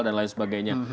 dan lain sebagainya